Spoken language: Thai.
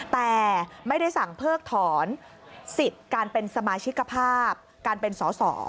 แต่ไม่ได้สั่งเพิกถอนสิทธิ์การเป็นสมาชิกภาพการเป็นสอสอ